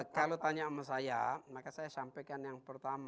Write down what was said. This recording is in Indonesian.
kalau tanya sama saya